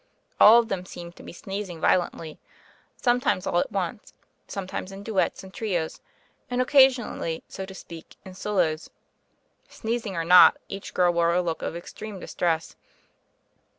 All of them seemed to be sneezing violently; some times all at once, sometimes in duets and trios, and occasionally, so to speak, in solos. Sneez ing or not, each girl wore a look of extreme distress.